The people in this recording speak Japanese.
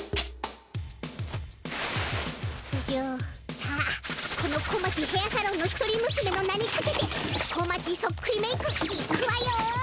さあこの小町ヘアサロンの一人むすめの名にかけて小町そっくりメークいくわよ！